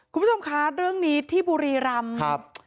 คุณผู้ชมคะเรื่องนี้ที่บุรีรำครับ